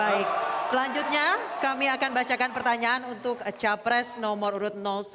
baik selanjutnya kami akan bacakan pertanyaan untuk capres nomor urut satu